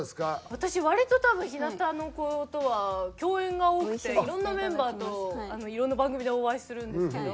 私割と多分日向の子とは共演が多くていろんなメンバーといろんな番組でお会いするんですけど。